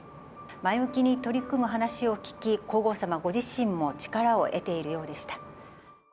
前向きに取り組む話を聞き、皇后さまご自身も力を得ているようでした。